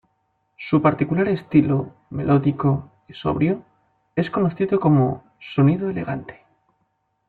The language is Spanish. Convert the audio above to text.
Su particular estilo, melódico y sobrio, es conocido como "Sonido Elegante".